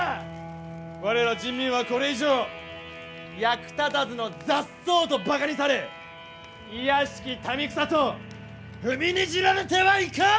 我ら人民はこれ以上役立たずの雑草とバカにされ卑しき民草と踏みにじられてはいかん！